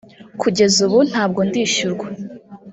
kugeza ubu ntabwo ndishyurwa